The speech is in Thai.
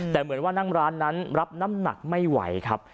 แต่เหมือนว่านั่งร้านนั้นรับน้ำหนักไม่ไหวครับ